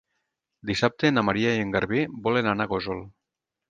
Dissabte na Maria i en Garbí volen anar a Gósol.